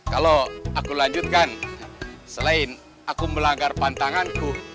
kalau aku lanjutkan selain aku melanggar pantanganku